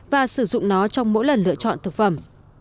và sử dụng nó trong mỗi lần lựa chọn thực phẩm